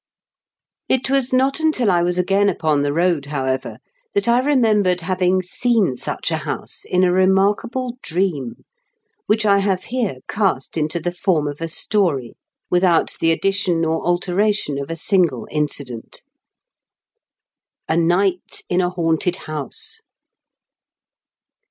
It W3» not untiib 1 wa& again upon i 232 IN KENT WITH 0HABLE8 DICKENS. the road, however, that I remembered having seen such a house in a remarkable dream, which I have here cast into the form of a story, without the addition or alteration of a single incident. A NIGHT m A HAUNTED HOUSE.